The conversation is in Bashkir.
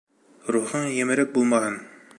Рухың емерек булмаһын.